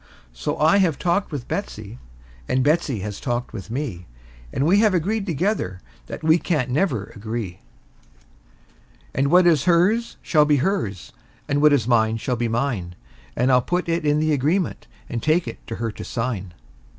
And so I have talked with Betsey, and Betsey has talked with me, And we have agreed together that we can't never agree; And what is hers shall be hers, and what is mine shall be mine; And I'll put it in the agreement, and take it to her to sign.